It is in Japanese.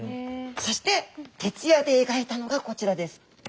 そして徹夜で描いたのがこちらです。